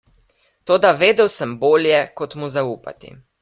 Toda vedel sem bolje, kot mu zaupati.